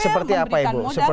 seperti apa ibu